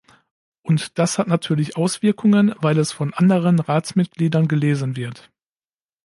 Und das hat natürlich Auswirkungen, weil es von anderen Ratsmitgliedern gelesen wird.